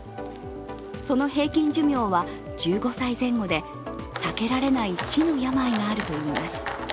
その平均寿命は１５歳前後で避けられない死の病があるといいます。